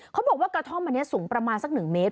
เขาบอกว่ากระท่อมอันนี้สูงประมาณสัก๑เมตร